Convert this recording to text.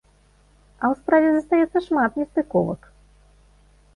А ў справе застаецца шмат нестыковак!